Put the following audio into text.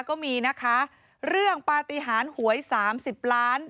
ก็มีนะคะเรื่องปฏิหารหวย๓๐ล้าน